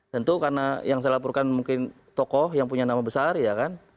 tentu karena yang saya laporkan mungkin tokoh yang punya nama besar ya kan